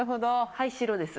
はい白です。